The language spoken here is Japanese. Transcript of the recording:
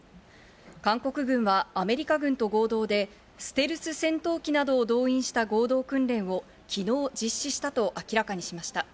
韓国軍はアメリカ軍と合同でステルス戦闘機などを動員した合同訓練を昨日、実施したと明らかにしました。